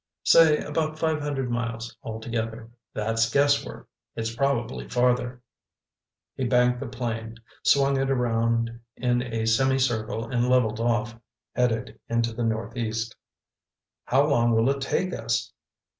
Say about five hundred miles altogether. That's guess work. It's probably farther." He banked the plane, swung it around in a semi circle and levelled off, headed into the northeast. "How long will it take us?"